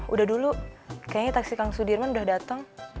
udah dulu kayaknya taksi kang sudirman udah datang